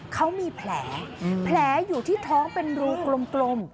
เขามีแผลแผลอยู่ที่ท้องเป็นรูกลม